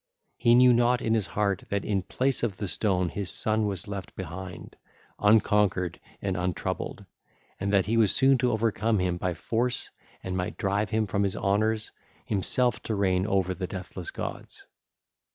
he knew not in his heart that in place of the stone his son was left behind, unconquered and untroubled, and that he was soon to overcome him by force and might and drive him from his honours, himself to reign over the deathless gods.